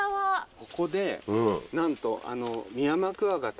ここでなんと。